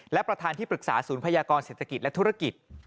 และประธานที่ปรึกษาศูนย์พยากรเศรษฐกิจและธุรกิจ